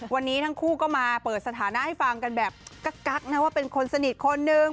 วันนี้ทั้งคู่ก็มาเปิดสถานะให้ฟังกันแบบกักนะว่าเป็นคนสนิทคนนึง